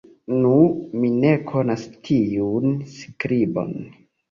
Nu! mi ne konas tiun skribon!